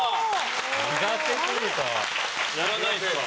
○！やらないんですか？